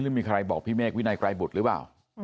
หรือมีใครบอกพี่เมฆวินัยไกรบุตรหรือเปล่า